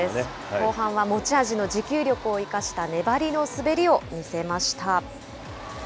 後半は持ち味の持久力を生かした粘りの滑りを見せました。